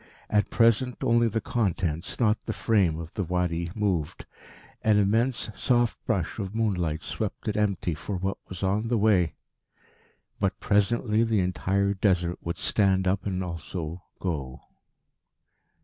At present only the contents, not the frame, of the Wadi moved. An immense soft brush of moonlight swept it empty for what was on the way.... But presently the entire Desert would stand up and also go.